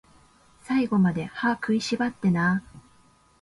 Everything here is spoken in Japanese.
最後まで、歯食いしばってなー